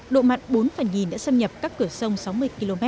độ mặn bốn phần nghìn đã xâm nhập các cửa sông sáu mươi km